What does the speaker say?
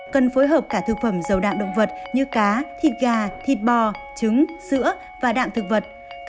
cần phối hợp cả thực phẩm giàu đạm động vật như cá thịt gà thịt bò trứng sữa và đạm thực vật các loại đậu nấm đậu phụ